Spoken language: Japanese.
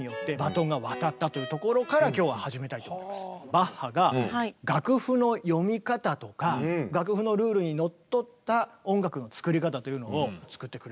バッハが楽譜の読み方とか楽譜のルールにのっとった音楽の作り方というのを作ってくれた。